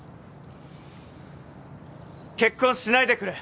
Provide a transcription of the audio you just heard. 結婚しないでくれ